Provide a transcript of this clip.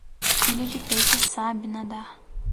Filho de peixe sabe nadar.